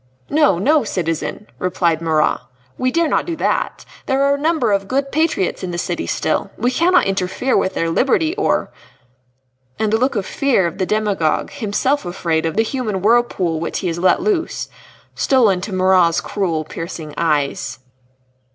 "No, no, citizen," replied Marat, "we dare not do that. There are a number of good patriots in the city still. We cannot interfere with their liberty or " And the look of fear of the demagogue himself afraid of the human whirlpool which he has let loose stole into Marat's cruel, piercing eyes.